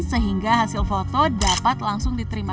sehingga hasil foto dapat langsung diterima